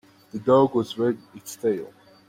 The dog was wagged its tail.